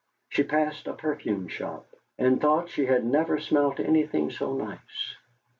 She passed a perfume shop, and thought she had never smelt anything so nice.